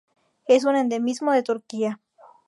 Es un endemismo de Turquía.